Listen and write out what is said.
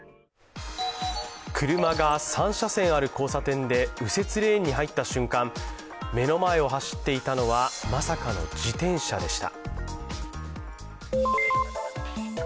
車が３車線ある交差点で右折レーンに入った瞬間、目の前を走っていたのは、まさかの自転車でした。